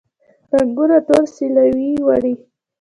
رنګونه ټوله سیلیو وړي